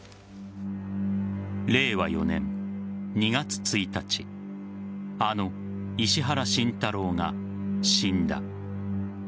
令和４年２月１日あの石原慎太郎が死んだ。